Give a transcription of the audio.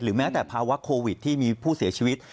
แม้แต่ภาวะโควิดที่มีผู้เสียชีวิต